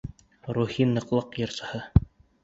РУХИ НЫҠЛЫҠ ЙЫРСЫҺЫ